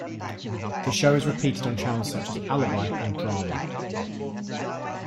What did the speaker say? The show is repeated on channels such as Alibi and Drama.